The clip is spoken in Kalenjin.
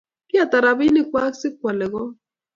kiata robinik kwak si kuale koot